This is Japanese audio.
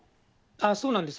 そうなんです。